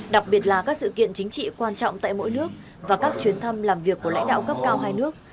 đặc biệt là các sự kiện chính trị quan trọng tại mỗi nước và các chuyến thăm làm việc của lãnh đạo cấp cao hai nước